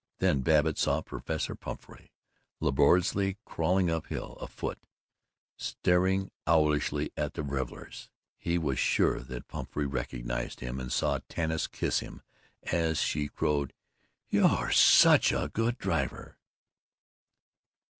Then Babbitt saw Professor Pumphrey laboriously crawling up hill, afoot, staring owlishly at the revelers. He was sure that Pumphrey recognized him and saw Tanis kiss him as she crowed, "You're such a good driver!"